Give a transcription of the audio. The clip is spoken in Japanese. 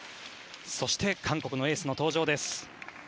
そして韓国のエースの登場です。